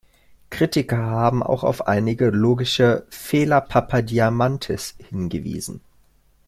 Kritiker haben auch auf einige logische „Fehler“ Papadiamantis’ hingewiesen.